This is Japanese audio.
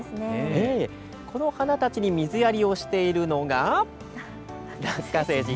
この花たちに水やりをしているのがラッカ星人。